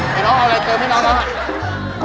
เป็นน้องเติมไม่ได้มั้ยคะ